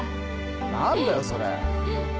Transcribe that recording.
何だよそれ。